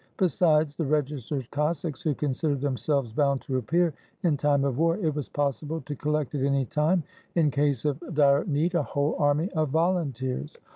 Besides the registered Cossacks, who considered themselves bound to appear in time of war, it was possible to collect at any time, in case of dire need, a whole army of volunteers.